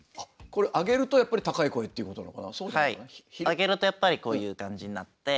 上げるとやっぱりこういう感じになって。